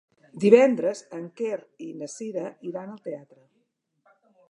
Divendres en Quer i na Cira iran al teatre.